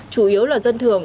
chủ yếu là dân thương